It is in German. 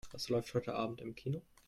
Was läuft heute Abend im Kino?